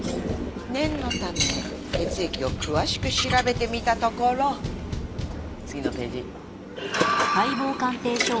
念のため血液を詳しく調べてみたところ次のページ。